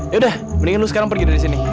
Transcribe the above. yaudah mendingan lu sekarang pergi dari sini